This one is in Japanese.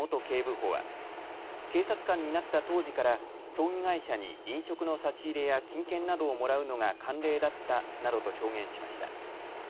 警部補は警察官になった当時から葬儀会社に飲食の差し入れや金券などをもらうのが慣例だったなどと証言しました。